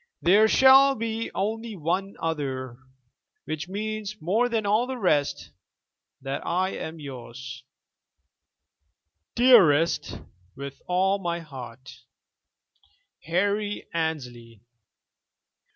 There shall be only one other, which means more than all the rest: that I am yours, dearest, with all my heart, "HARRY ANNESLEY."